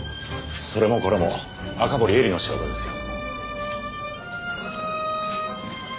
それもこれも赤堀絵里の仕業ですよ。